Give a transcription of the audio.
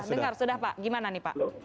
dengar sudah pak gimana nih pak